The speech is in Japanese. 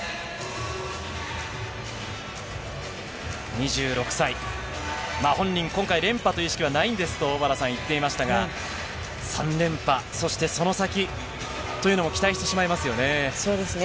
２６歳、本人、今回連覇という意識はないんですと、小原さん、言っていましたが、３連覇、そしてその先というのも期待してしまいますよね。